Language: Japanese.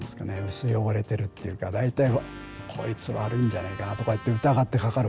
薄汚れてるっていうか大体こいつ悪いんじゃないかなとかって疑ってかかるほうだから。